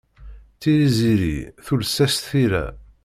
Tiziri tules-as tira.